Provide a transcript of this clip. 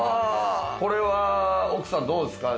これは奥さんどうですか？